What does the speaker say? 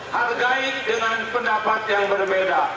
hargai dengan pendapat yang berbeda